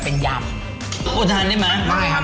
กดฉันได้มั้ย